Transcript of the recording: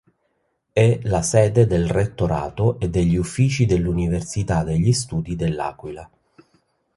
È la sede del rettorato e degli uffici dell'Università degli studi dell'Aquila.